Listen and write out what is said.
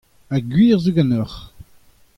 Ar gwir zo ganeoc'h.